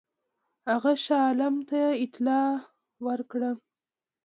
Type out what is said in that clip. هغه شاه عالم ته اطلاع ورکړه.